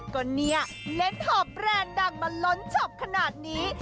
ก็เนี่ยเล่นหอบแบรนด์ดังมาล้นช็อปขนาดนี้